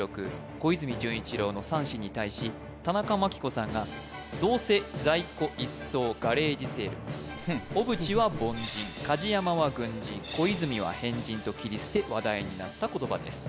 小泉純一郎の３氏に対し田中眞紀子さんが「どうせ在庫一掃、ガレージセール」「小渕は凡人、梶山は軍人、小泉は変人」と斬り捨て話題になった言葉です